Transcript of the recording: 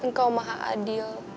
engkau maha adil